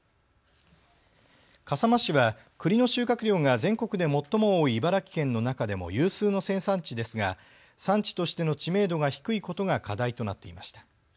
笠間市は、くりの収穫量が全国で最も多い茨城県の中でも有数の生産地ですが産地としての知名度が低いことが課題となっていました。